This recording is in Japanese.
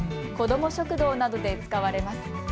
子ども食堂などで使われます。